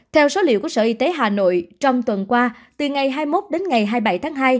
theo số liệu của sở y tế hà nội trong tuần qua từ ngày hai mươi một đến ngày hai mươi bảy tháng hai